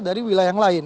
dari wilayah yang lain